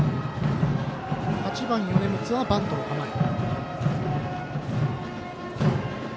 ８番、米満はバントの構え。